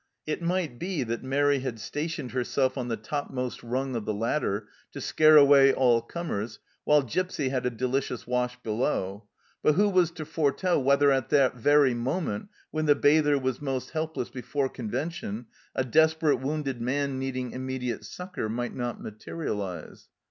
It might be that Mairi had stationed herself on the topmost rung of the ladder to scare away all comers while Gipsy had a delicious wash below ; but who was to foretell whether at that very moment when the bather was most helpless before convention, a desperate wounded man needing immediate succour might not materialize